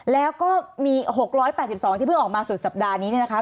แล้วก็มี๖๘๒ที่เพิ่งออกมาสุดสัปดาห์นี้เนี่ยนะคะ